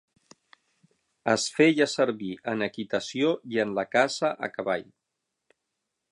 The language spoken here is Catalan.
Es feia servir en equitació i en la caça a cavall.